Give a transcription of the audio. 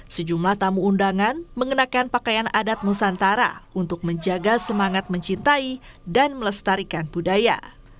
sejumlah tamu undangan mengenakan pakaian adat nusantara untuk menjaga semangat mencintai dan melestarikan budaya